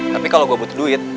tapi kalo gua butuh duit